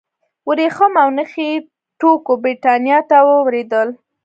ورېښم او نخي ټوکر برېټانیا ته واردېدل.